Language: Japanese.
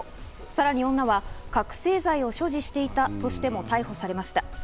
さらに女は覚せい剤を所持していたとしても逮捕されました。